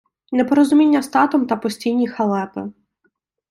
непорозуміння з татом та постійні халепи